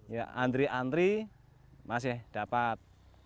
ya antri antri masih dapat